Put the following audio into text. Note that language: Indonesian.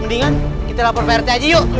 mendingan kita lapor prt aja yuk